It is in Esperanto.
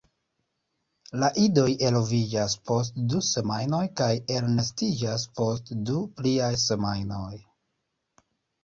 La idoj eloviĝas post du semajnoj kaj elnestiĝas post du pliaj semajnoj.